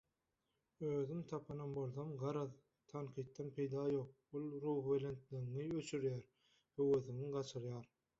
özüm tapanam bolsam, garaz, „Tankytdan peýda ýok, ol ruhybelenligiňi öçürýär, höwesiňi gaçyrýar